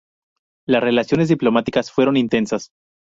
Las relaciones diplomáticas fueron intensas.